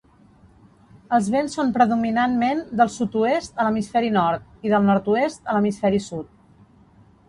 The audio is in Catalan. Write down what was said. Els vents són predominantment del sud-oest a l'hemisferi nord i del nord-oest a l'hemisferi sud.